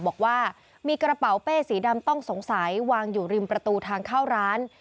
บอกว่ามีกระเป๋าเป้สีดำต้องสงสัยวางอยู่ริมประตูทางเข้าร้าน